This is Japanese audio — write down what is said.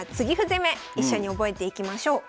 攻め一緒に覚えていきましょう。